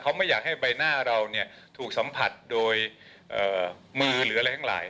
เขาไม่อยากให้ใบหน้าเราถูกสัมผัสโดยมือหรืออะไรทั้งหลาย